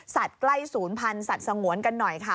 ใกล้ศูนย์พันธุ์สัตว์สงวนกันหน่อยค่ะ